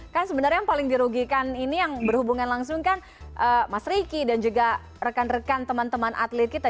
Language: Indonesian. kan sebenarnya yang paling dirugikan ini yang berhubungan langsung kan mas ricky dan juga rekan rekan teman teman atlet kita